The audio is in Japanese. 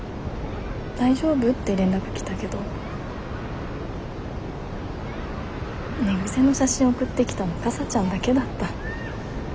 「大丈夫？」って連絡来たけど寝癖の写真送ってきたのかさちゃんだけだった。